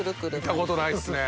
見たことないっすね。